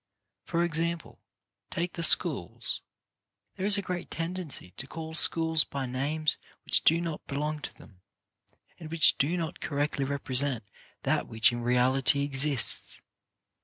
For example: take the schools. There is a great tendency to call schools by names which do not belong to them, and which do not correctly represent that which in reality exists.